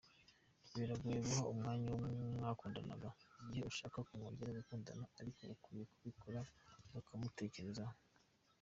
Biragoye guha umwanya uwo mwakundanaga igihe ushaka komwongera gukundana ariko ukwiye kubikora ukamutekerezaho.